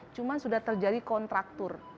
cuma sudah terjadi kontraktur